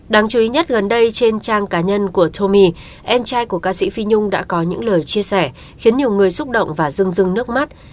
đáng chú ý nhất gần đây trên trang cá nhân của tomi em trai của ca sĩ phi nhung đã có những lời chia sẻ khiến nhiều người xúc động và dưng rưng nước mắt